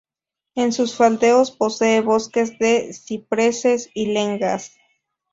En sus faldeos posee bosques de cipreses y lengas.